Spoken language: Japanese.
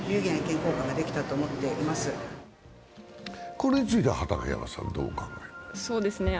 これについてはどうお考えですか？